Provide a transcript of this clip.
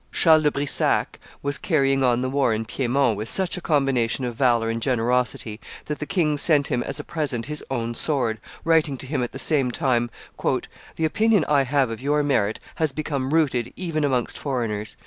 Charles de Brissac was carrying on the war in Piedmont with such a combination of valor and generosity that the king sent him as a present his own sword, writing to him at the same time, "The opinion I have of your merit has become rooted even amongst foreigners.